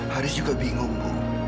haris juga bingung bu